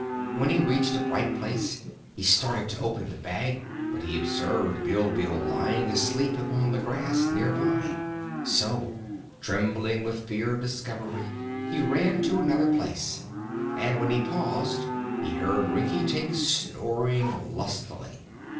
When he reached a bright place he started to open the bag, but he observed Bilbil lying asleep upon the grass near by. So, trembling with the fear of discovery, he ran to another place, and when he paused he heard Rinkitink snoring lustily.